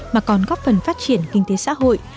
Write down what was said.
mà còn góp phần phát triển kinh tế xã hội